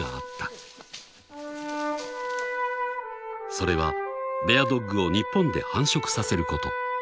［それはベアドッグを日本で繁殖させること］